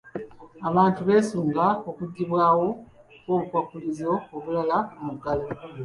Abantu beesunga okuggyibwawo kw'obukwakkulizo obulala ku muggalo.